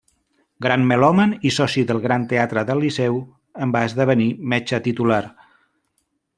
Gran melòman i soci del Gran Teatre del Liceu, en va esdevenir metge titular.